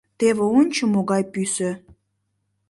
Теве, ончо, могай пӱсӧ.